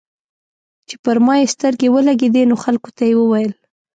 چې پر ما يې سترګې ولګېدې نو خلکو ته یې وويل.